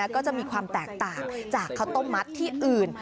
ก็จะมีความแตกต่างจากข้าวต้มมัดที่อื่น